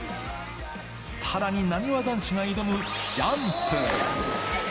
さらに、なにわ男子が挑むジャンプ。